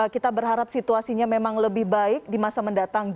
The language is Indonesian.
kita berharap situasinya memang lebih baik di masa mendatang